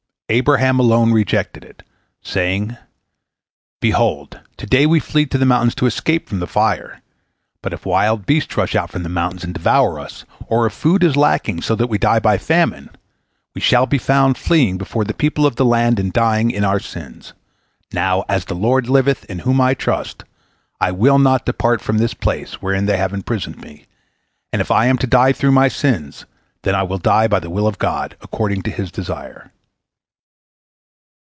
Abraham alone rejected it, saying: "Behold, to day we flee to the mountains to escape from the fire, but if wild beasts rush out from the mountains and devour us, or if food is lacking, so that we die by famine, we shall be found fleeing before the people of the land and dying in our sins. Now, as the Lord liveth, in whom I trust, I will not depart from this place wherein they have imprisoned me, and if I am to die through my sins, then will I die by the will of God, according to His desire."